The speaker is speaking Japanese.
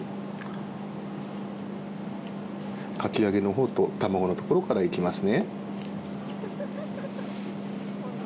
かき揚げのほうと卵のところから行きますね。